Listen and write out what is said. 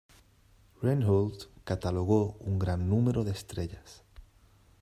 Reinhold catalogó un gran número de estrellas.